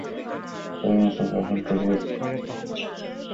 ম্যাচে কখন তারা রক্ষণাত্মক খেলবে, কখন আক্রমণে যাবে, সবই যেন ছকে বাঁধা।